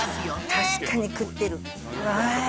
確かに食ってる。